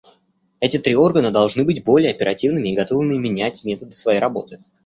Эти три органа должны быть более оперативными и готовыми менять методы своей работы.